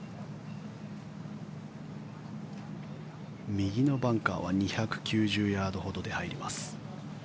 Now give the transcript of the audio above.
右のバンカーは２９０ヤードほどで入ります。